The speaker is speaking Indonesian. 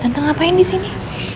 tenteng ngapain disini